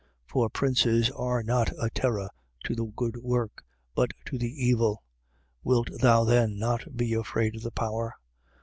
13:3. For princes are not a terror to the good work, but to the evil. Wilt thou then not be afraid of the power?